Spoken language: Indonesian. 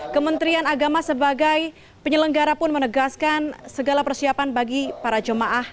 kementerian agama sebagai penyelenggara pun menegaskan segala persiapan bagi para jemaah